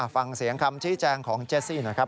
ฟังเสียงคำชี้แจงของเจสซี่หน่อยครับ